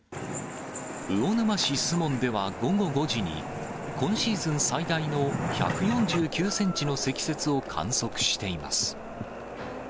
魚沼市守門では午後５時に、今シーズン最大の１４９センチの積雪を観測しています。